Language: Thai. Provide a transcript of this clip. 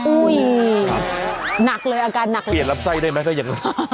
อุ๊ยหนักเลยอาการหนักเลยเปลี่ยนรับไส้ได้ไหมก็ยัง